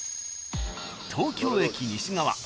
［東京駅西側］